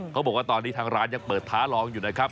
เขาบอกว่าตอนนี้ทางร้านยังเปิดท้าลองอยู่นะครับ